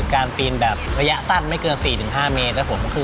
การปีนแบบระยะสั้นไม่เกิน๔๕เมตร